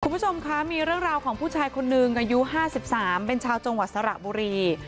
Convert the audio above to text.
คุณผู้ชมคะมีเรื่องราวของผู้ชายคนหนึ่งอายุ๕๓เป็นชาวจังหวัดสระบุรี